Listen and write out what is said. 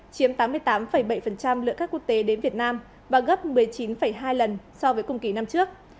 chiếm tám mươi tám bảy lượng khách quốc tế đến việt nam và gấp một mươi chín hai lần so với cùng kỳ năm trước